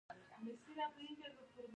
آیا دوی موږ ته تیل او ګاز نه راکوي؟